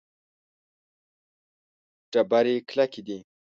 ډبرې کلکې دي.